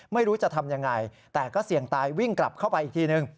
ไม่รู้จะทำยังไงแต่ก็เสี่ยงตายวิ่งกลับเข้าไปอีกทีนึง